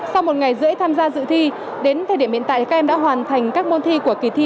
sau một ngày rưỡi tham gia dự thi đến thời điểm hiện tại các em đã hoàn thành các môn thi của kỳ thi